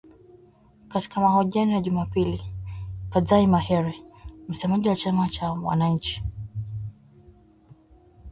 Katika mahojiano ya Jumapili, Fadzayi Mahere, msemaji wa chama cha wananchi